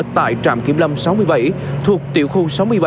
tại trạm kiểm lâm sáu mươi bảy thuộc tiểu khu sáu mươi bảy